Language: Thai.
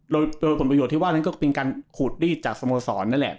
โดยผลประโยชน์ที่ว่านั้นก็เป็นการขูดรีดจากสโมสรนั่นแหละ